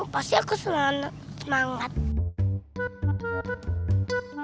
pasti aku semangat